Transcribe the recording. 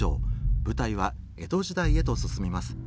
舞台は江戸時代へと進みます。